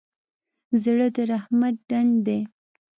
زړه د رحمت ډنډ دی.